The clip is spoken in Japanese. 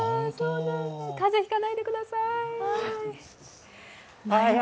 風邪ひかないでください。